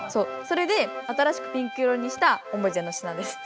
それで新しくピンク色にした思い出の品です。